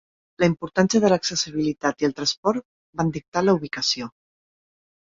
La importància de l'accessibilitat i el transport van dictar la ubicació.